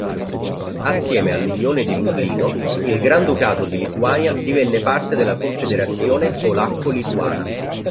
Assieme all’Unione di Lublino, il Granducato di Lituania divenne parte della Confederazione polacco-lituana.